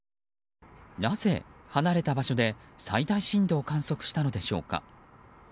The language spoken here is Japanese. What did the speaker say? なぜ、離れた場所で最大震度を観測したのでしょうか。